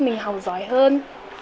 mình học giỏi hơn